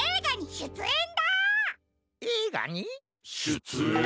しゅつえん？